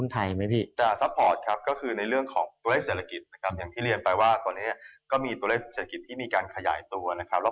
ตัวเลขเศรษฐกิจนะครับ